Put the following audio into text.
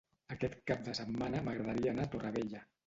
Aquest cap de setmana m'agradaria anar a Torrevella.